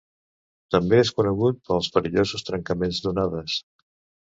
També és conegut pels perillosos trencaments d'onades.